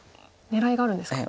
狙いがあるんですか。